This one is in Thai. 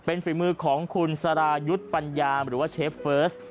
เป็นฝีมือของคุณสรายุทธ์ปัญญามหรือว่าเชฟเฟิร์ส